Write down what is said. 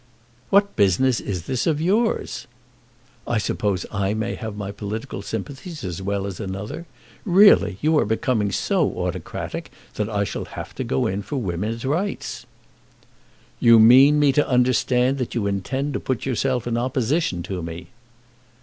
"What business is this of yours?" "I suppose I may have my political sympathies as well as another. Really you are becoming so autocratic that I shall have to go in for women's rights." "You mean me to understand then that you intend to put yourself in opposition to me."